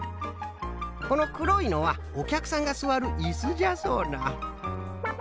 このくろいのはおきゃくさんがすわるいすじゃそうな。